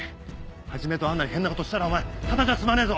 始とアンナに変なことしたらお前ただじゃ済まねえぞ！